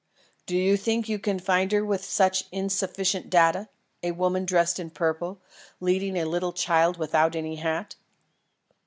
"Do you think you can find her with such insufficient data? A woman dressed in purple, leading a little child without any hat?"